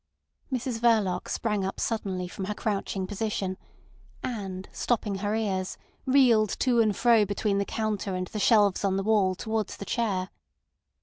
Mrs Verloc sprang up suddenly from her crouching position, and stopping her ears, reeled to and fro between the counter and the shelves on the wall towards the chair.